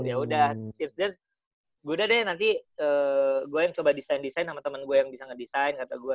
ya udah search z gue udah deh nanti gue yang coba desain desain sama temen gue yang bisa ngedesain kata gue